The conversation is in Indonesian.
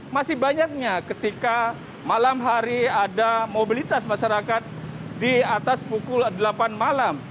masih banyaknya ketika malam hari ada mobilitas masyarakat di atas pukul delapan malam